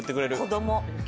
子供。